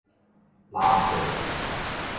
流過